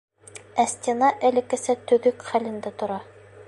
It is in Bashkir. Ә стена элеккесә төҙөк хәлендә тора.